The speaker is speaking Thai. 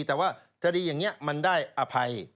แต่ว่าคดีอย่างนี้มันได้อภัย